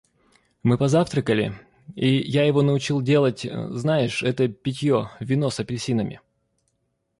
Мы позавтракали, и я его научил делать, знаешь, это питье, вино с апельсинами.